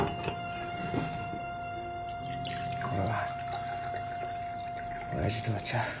俺はおやじとはちゃう。